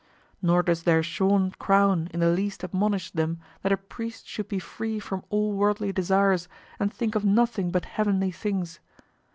Nor does their shorn crown in the least admonish them that a priest should be free from all worldly desires and think of nothing but heavenly things.